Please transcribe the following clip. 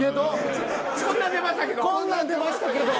こんなん出ましたけど！